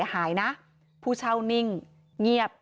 เจ้าของห้องเช่าโพสต์คลิปนี้